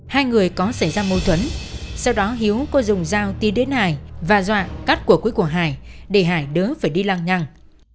hai người có xảy ra mâu thuẫn sau đó hiếu có dùng dao tiến đến hải và dọa cắt cổ quý của hải để hải đỡ phải đi lang nhăng